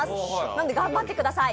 なので頑張ってください。